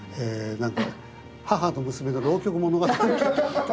何か母と娘の浪曲物語。